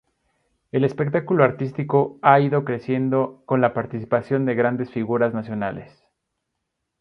El espectáculo artístico ha ido creciendo con la participación de grandes figuras nacionales.